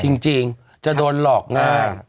จริงจะโดนหลอกง่าย